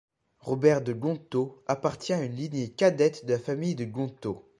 Robert de Gontaut appartient à une lignée cadette de la famille de Gontaut.